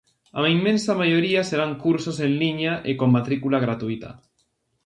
A inmensa maioría serán cursos en liña e con matrícula gratuíta.